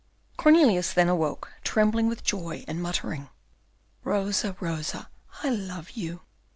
Cornelius then awoke, trembling with joy, and muttering, "Rosa, Rosa, I love you."